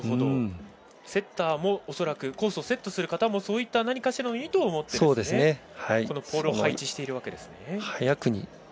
セッターコースをセットする方も何かしらの意図を持ってこのポールを配置しているわけですね。